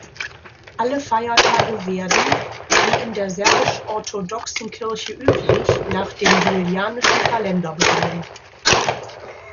Alle Feiertage werden, wie in der Serbisch-Orthodoxen Kirche üblich, nach dem Julianischen Kalender begangen.